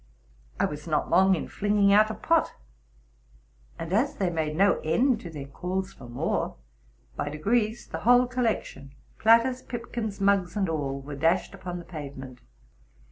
'' I was not long in flinging out a pot; and, as they made no end to their calls for more, by degrees the whole collection, platters, pip kins, mugs and all, were dashed upon the pavement.